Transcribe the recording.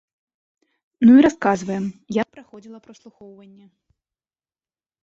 Ну і расказваем, як праходзіла праслухоўванне.